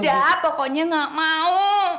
udah pokoknya gak mau